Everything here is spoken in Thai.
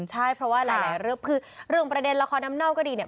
ใช่เพราะว่าหลายเรื่องประเด็นน้ำเน่าก็ดีเนี่ย